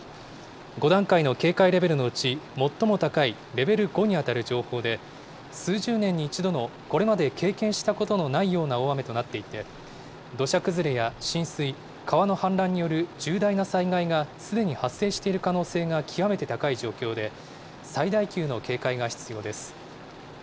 ５段階の警戒レベルのうち最も高いレベル５に当たる情報で、数十年に一度のこれまで経験したことのないような大雨となっていて、土砂崩れや浸水、川の氾濫による重大な災害がすでに発生している可能性が極めて高い状況で、最大級の警戒が必要です。